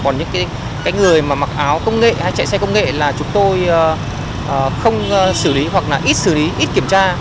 còn những người mà mặc áo công nghệ hay chạy xe công nghệ là chúng tôi không xử lý hoặc là ít xử lý ít kiểm tra